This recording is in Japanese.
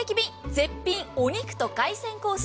絶品お肉と海鮮コース